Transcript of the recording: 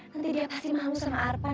nanti dia pasti mau sama arfan